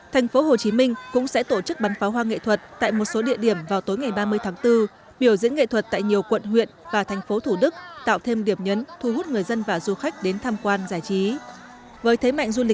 thành phố hồ chí minh cũng sẽ tổ chức bắn pháo hoa nghệ thuật tại một số địa điểm vào tối ngày ba mươi tháng bốn biểu diễn nghệ thuật tại nhiều quận huyện và thành phố thủ đức tạo thêm điểm nhấn thu hút người dân và du khách đến tham quan giải trí